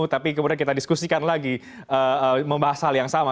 tapi kemudian kita diskusikan lagi membahas hal yang sama